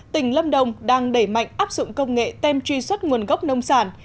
tỉnh lâm đồng đang đẩy mạnh áp dụng công nghệ tem truy xuất nguồn gốc nông sản